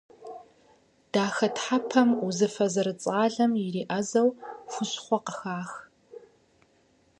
Дахэтхьэпэм узыфэ зэрыцӏалэхэм иреӏэзэу хущхъуэ къыхах.